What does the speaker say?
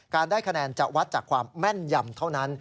ได้คะแนนจะวัดจากความแม่นยำเท่านั้น